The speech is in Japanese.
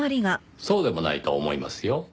そうでもないと思いますよ。